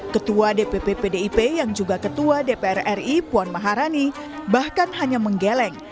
ketua dpp pdip yang juga ketua dpr ri puan maharani bahkan hanya menggeleng